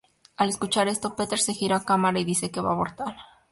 Al escuchar esto, Peter se gira a cámara y dice que van a abortar.